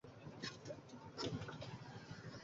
তাদের পিছু হটতে বলো!